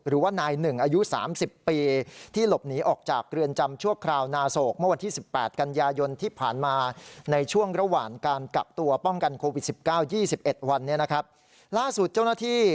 หรือว่านาย๑อายุ๓๐ปีที่หลบหนีออกจากเรือนจำชั่วคราวนาศกวันที่๑๘กันยายนที่ผ่านมาในช่วงระหว่างการกลับตัวป้องกันโควิด๑๙๒๑วัน